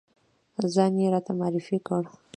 ځان یې راته معرفی کړ.